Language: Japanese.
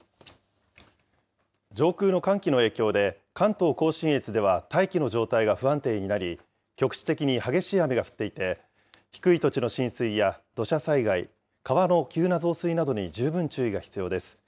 上空の寒気の影響で、関東甲信越では、大気の状態が不安定になり、局地的に激しい雨が降っていて、低い土地の浸水や土砂災害、川の急な増水などに十分注意が必要です。